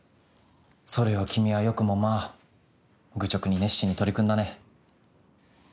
それを君はよくもまぁ愚直に熱心に取り組んだね。